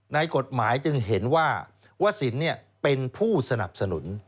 ในกฎหมายจึงเห็นว่าวสินเป็นผู้สนับสนุน